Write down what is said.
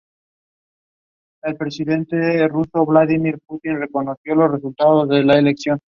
The main office of the agency is located in Concord.